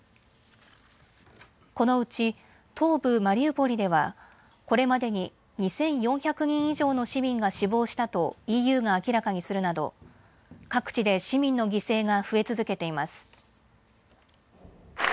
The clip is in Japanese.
このうち東部マリウポリではこれまでに２４００人以上の市民が死亡したとＥＵが明らかにするなど各地で市民の犠牲が増え続けています。